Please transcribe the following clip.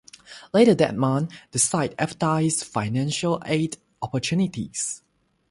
Later that month the site advertised financial aid opportunities.